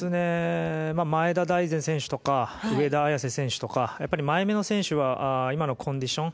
前田大然選手とか上田綺世選手とか前めの選手は今のコンディション